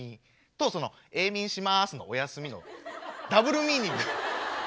とその「永眠します」の「おやすみ」のダブルミーニング。